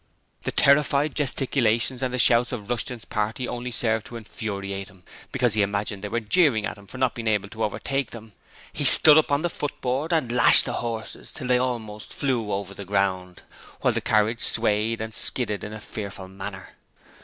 The terrified gesticulations and the shouts of Rushton's party only served to infuriate him, because he imagined that they were jeering at him for not being able to overtake them. He stood up on the footboard and lashed the horses till they almost flew over the ground, while the carriage swayed and skidded in a fearful manner.